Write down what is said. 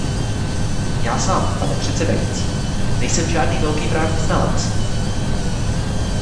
Já sám, pane předsedající, nejsem žádný velký právní znalec.